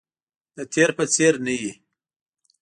د تیر په څیر نه وي